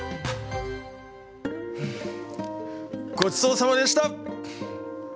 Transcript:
うんごちそうさまでした！